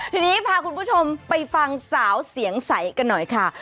ทีนี้พาคุณผู้ชมไปฟังสาวเสียงใสกันหน่อยค่ะ